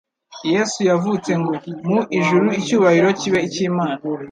Yesu yavutse ngo :" Mu ijuru icyubahiro kibe icy'Imana,